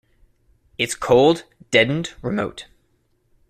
It's cold, deadened, remote.